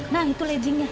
nah itu ledgingnya